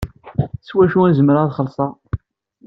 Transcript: S wacu i zemreɣ ad xellṣeɣ?